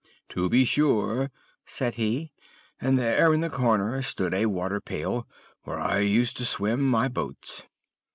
"'To be sure,' said he. 'And there in the corner stood a waterpail, where I used to swim my boats.'